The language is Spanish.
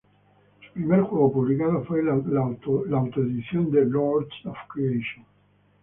Su primer juego publicado fue la autoedición de "Lords of Creation".